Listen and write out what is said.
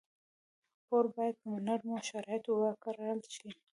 پور باید په نرمو شرایطو ورکړل شي.